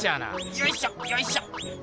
よいしょよいしょ。